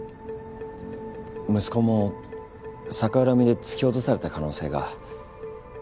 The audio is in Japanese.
息子も逆恨みで突き落とされた可能性が。